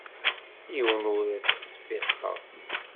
Yiwen ur as-ttseffiqeɣ.